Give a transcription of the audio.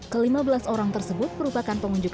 kelima belas orang tersebut merupakan pengunjuk rasa